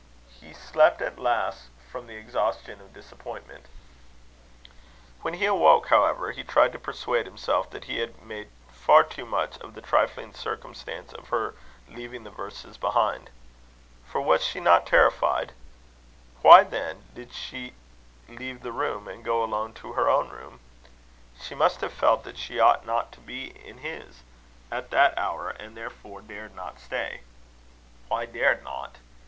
He slept at last, from the exhaustion of disappointment. When he awoke, however, he tried to persuade himself that he had made far too much of the trifling circumstance of her leaving the verses behind. For was she not terrified? Why, then, did she leave him and go alone to her own room? She must have felt that she ought not to be in his, at that hour, and therefore dared not stay. Why dared not?